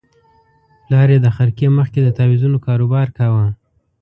پلار یې د خرقې مخ کې د تاویزونو کاروبار کاوه.